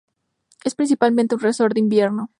Es principalmente un resort de invierno.